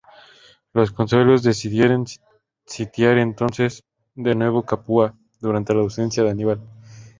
Los cónsules decidieron sitiar entonces de nuevo Capua durante la ausencia de Aníbal.